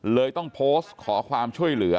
เลยต้องโพสต์ขอความช่วยเหลือ